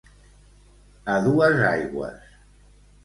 A dues aigües.